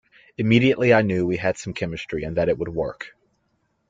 Immediately, I knew we had some chemistry and that it would work.